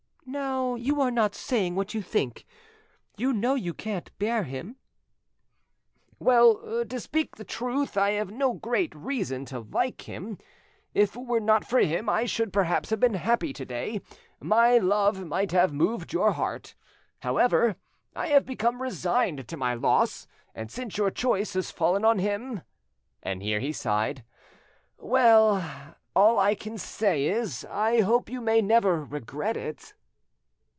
Now you are not saying what you think, you know you can't bear him." "Well, to speak the truth, I have no great reason to like him. If it were not for him, I should perhaps have been happy to day; my love might have moved your heart. However, I have become resigned to my loss, and since your choice has fallen on him,"—and here he sighed,—"well, all I can say is, I hope you may never regret it."